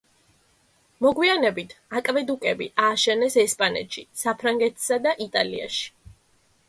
მოგვიანებით აკვედუკები ააშენეს ესპანეთში, საფრანგეთსა და იტალიაში.